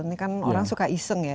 ini kan orang suka iseng ya